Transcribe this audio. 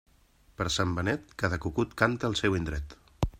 Per Sant Benet, cada cucut canta al seu indret.